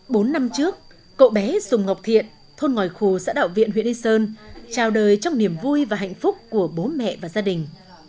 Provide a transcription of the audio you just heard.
bốn năm trước cậu bé sùng ngọc thiện thôn ngòi khù xã đạo viện huyện yên sơn chào đời trong niềm vui và hạnh phúc của bố mẹ và gia đình